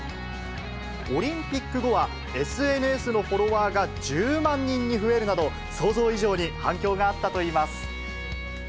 オリンピック後は、ＳＮＳのフォロワーが１０万人に増えるなど、想像以上に反響があったといいます。